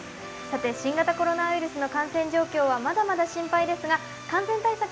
さて新型コロナウイルスの感染状況はまだまだ心配ですが感染対策